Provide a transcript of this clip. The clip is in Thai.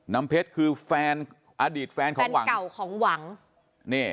น้ำเพชรคือแฟนอดีตแฟนของหวังเก่าของหวังนี่